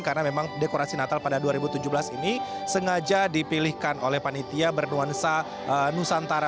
karena memang dekorasi natal pada dua ribu tujuh belas ini sengaja dipilihkan oleh panitia bernuansa nusantara